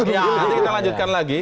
nanti kita lanjutkan lagi